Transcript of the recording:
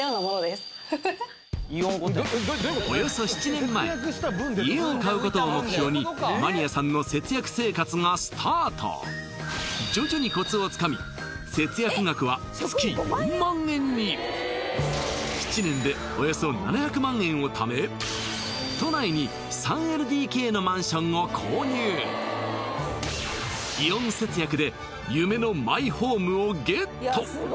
およそ７年前家を買うことを目標にマニアさんの節約生活がスタート徐々にコツをつかみ節約額は月４万円に都内に３ＬＤＫのマンションを購入イオン節約で夢のマイホームをゲット！